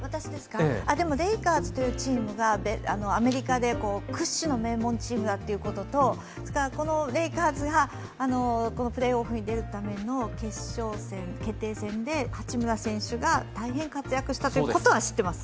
レイカーズというチームがアメリカで屈指の名門チームだということとこのレイカーズがこのプレーオフに出るための決勝戦で八村選手が大変活躍したということは知っています。